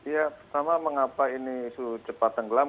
ya pertama mengapa ini sudah cepat tenggelam